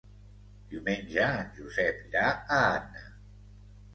Diumenge en Josep irà a Anna.